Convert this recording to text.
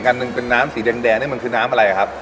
อันหนึ่งเป็นน้ำสีแดงนี่มันคือน้ำอะไรครับ